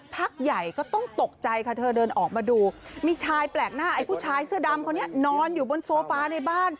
พักใหญ่ก็ต้องตกใจค่ะเธอเดินออกมาดูมีชายแปลกหน้าไอ้ผู้ชายเสื้อดำคนนี้นอนอยู่บนโซฟาในบ้าน